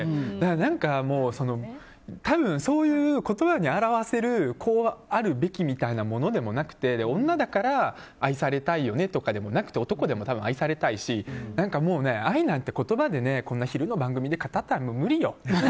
何か、そういう言葉に表せるあるべきみたいなものでもなくて女だから愛されたいよねとかでもなくて男でも多分、愛されたいし愛なんて言葉でこんな昼の番組で語ったら無理よ。